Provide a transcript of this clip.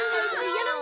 やろう！